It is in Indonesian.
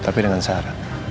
tapi dengan syarat